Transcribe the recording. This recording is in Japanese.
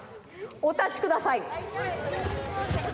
おたちください！